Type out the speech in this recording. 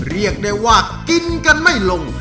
เรียกได้ว่ากินกันไม่ลง